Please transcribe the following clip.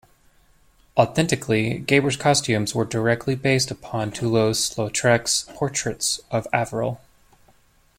Authentically, Gabor's costumes were directly based upon Toulouse-Lautrec's portraits of Avril.